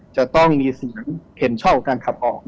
จะต้องมีเสียงเห็นชอบของการขับออก